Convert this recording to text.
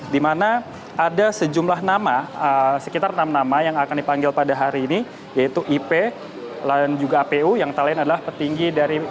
di mana ada sejumlah nama sekitar enam nama yang akan dipanggil pada hari ini yaitu ip dan juga apu